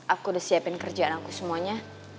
aku udah siapin kerjaan aku semuanya